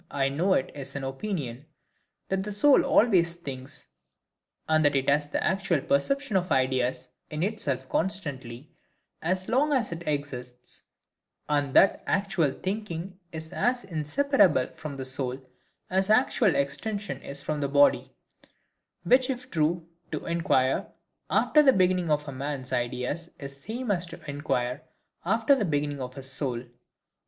I know it is an opinion, that the soul always thinks, and that it has the actual perception of ideas in itself constantly, as long as it exists; and that actual thinking is as inseparable from the soul as actual extension is from the body; which if true, to inquire after the beginning of a man's ideas is the same as to inquire after the beginning of his soul.